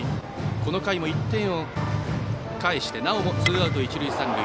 この回も１点を返してなおもツーアウト、一塁三塁。